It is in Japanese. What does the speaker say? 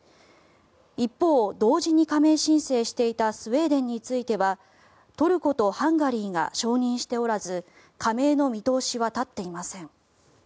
一方、同時に加盟申請していたスウェーデンについてはトルコとハンガリーが承認しておらず加盟の見通しは立っていません。